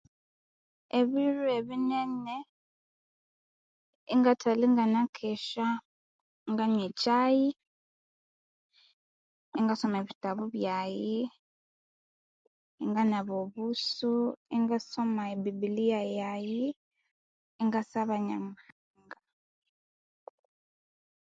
Ebiro ebinene ingathali nganakesya nganywa ekyayi inga soma ebitabu byayi inga naba obusu inga soma mayi bibiliya yayi inga saba Nyamuhanga